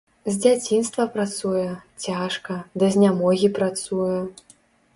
З дзяцінства працуе, цяжка, да знямогі працуе.